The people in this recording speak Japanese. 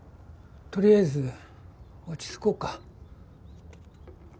取りあえず落ち着こっか。